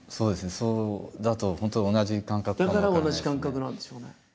そうだと本当だから同じ感覚なんですよね。